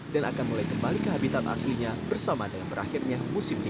dan akan mulai kembali ke habitat aslinya bersama dengan berakhirnya musim dingin